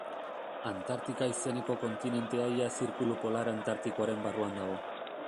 Antartika izeneko kontinentea ia zirkulu polar antartikoaren barruan dago.